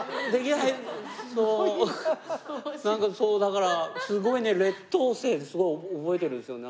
なんかそうだからすごいね劣等生ですごい覚えてる。